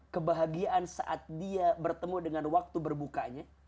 kebahagiaan saat dia bertemu dengan waktu berbukanya